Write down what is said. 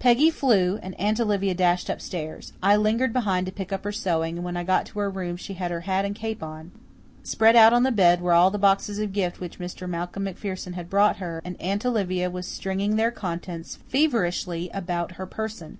Peggy flew, and Aunt Olivia dashed upstairs. I lingered behind to pick up her sewing, and when I got to her room she had her hat and cape on. Spread out on the bed were all the boxes of gifts which Mr. Malcolm MacPherson had brought her, and Aunt Olivia was stringing their contents feverishly about her person.